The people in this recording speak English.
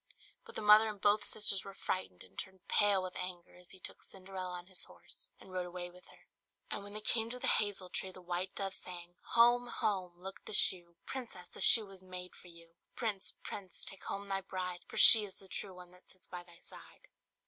But the mother and both the sisters were frightened and turned pale with anger as he took Cinderella on his horse, and rode away with her. And when they came to the hazel tree, the white dove sang "Home! home! look at the shoe! Princess! the shoe was made for you! Prince! prince! take home thy bride. For she is the true one that sits by thy side!"